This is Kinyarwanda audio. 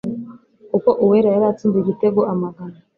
kuko Uwera yari atsinze igitego amagana